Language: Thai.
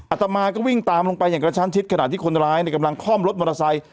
อาตมาก็วิ่งตามลงไปอย่างกระชั้นชิดขณะที่คนร้ายกำลังคล่อมรถมอเตอร์ไซค์